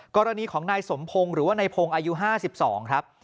กรณีของนายสมพงศ์หรือว่านายพงศ์อายุ๕๒ครับ